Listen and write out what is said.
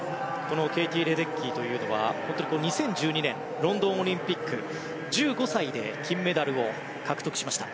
ケイティ・レデッキーは２０１２年ロンドンオリンピック１５歳で金メダルを獲得しました。